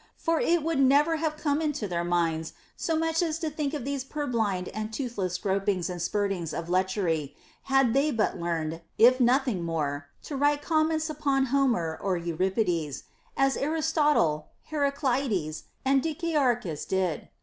For it would never have come into their minds so much as to think of these pur blind and toothless gropings and spurtings of lechery, had they but learned, if nothing more, to write comments upon Homer or Euripides, as Aristotle, Heraclides, and Dicae archus did.